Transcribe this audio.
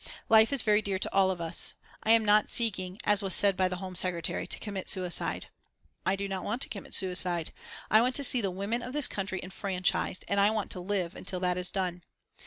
Life is very dear to all of us. I am not seeking, as was said by the Home Secretary, to commit suicide. I do not want to commit suicide. I want to see the women of this country enfranchised, and I want to live until that is done.